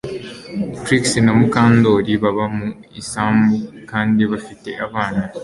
Trix na Mukandoli baba mu isambu kandi bafite abana